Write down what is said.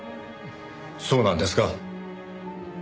そうなんですか？